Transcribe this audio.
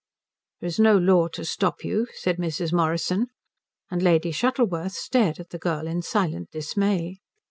"There is no law to stop you," said Mrs. Morrison; and Lady Shuttleworth stared at the girl in silent dismay.